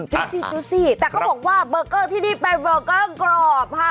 ดูสิดูสิแต่เขาบอกว่าเบอร์เกอร์ที่นี่เป็นเบอร์เกอร์กรอบค่ะ